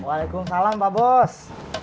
waalaikumsalam pak bos